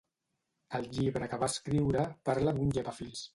El llibre que va escriure parla d'un llepafils.